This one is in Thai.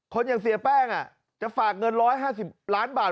คนอย่างเสียแป้งอ่ะจะฝากเงินร้อยห้าสิบล้านบาท